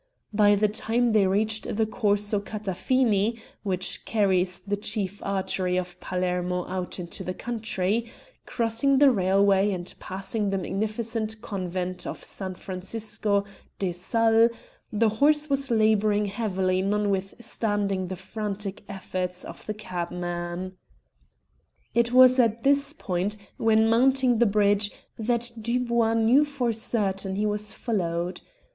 By the time they reached the Corso Catafini, which carries the chief artery of Palermo out into the country crossing the railway and passing the magnificent convent of San Francisco de Sale the horse was labouring heavily notwithstanding the frantic efforts of the cabman. It was at this point, when mounting the bridge, that Dubois knew for certain he was followed.